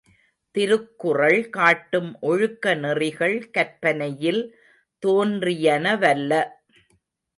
திருக்குறள் காட்டும் ஒழுக்க நெறிகள் கற்பனையில் தோன்றியனவல்ல.